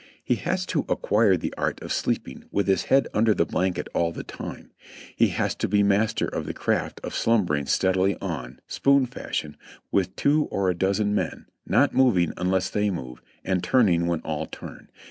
He has to acquire tiie art of sleeping with his head under the blanket all the time; he has to be master of the craft of slumbering steadily on, spoon fashion, with two or a dozen men, not moving unless they move, and turning when all turn.